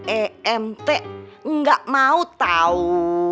emt ga mau tau